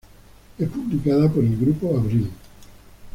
Es publicada por el Grupo Abril.